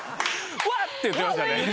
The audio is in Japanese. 「わっ！」って言ってましたね。